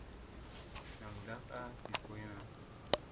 Nam ndak a di boyna.